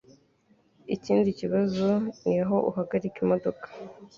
Ikindi kibazo ni aho uhagarika imodoka.